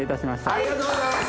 ありがとうございます